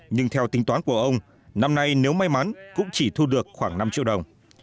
nhưng theo tính toán của ông năm nay nếu may mắn cũng chỉ thu được khoảng năm triệu đồng